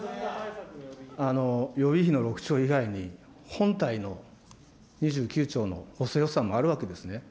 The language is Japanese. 予備費の６兆以外に、本体の２９兆の補正予算があるわけですね。